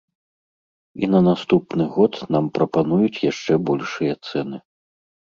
І на наступны год нам прапануюць яшчэ большыя цэны.